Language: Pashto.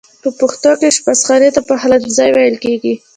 په پښتو کې آشپز خانې ته پخلنځی ویل کیږی.